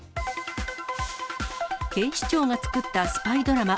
警視庁が作ったスパイドラマ。